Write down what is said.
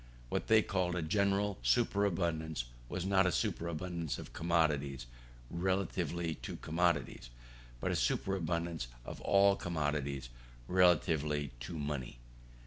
What they called a general superabundance, was not a superabundance of commodities relatively to commodities, but a superabundance of all commodities relatively to money.